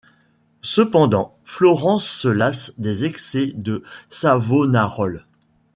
Cependant, Florence se lasse des excès de Savonarole.